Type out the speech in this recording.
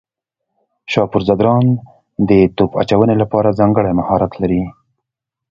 شاپور ځدراڼ د توپ اچونې لپاره ځانګړی مهارت لري.